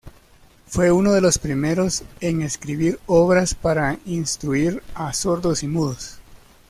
Fue uno de los primeros en escribir obras para instruir a sordos y mudos.